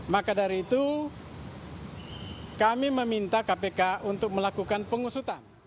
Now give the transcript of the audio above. maka dari itu kami meminta kpk untuk melakukan pengusutan